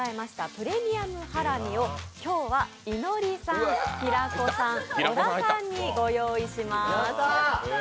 プレミアムハラミを今日はいのりさん、平子さん小田さんにご用意します。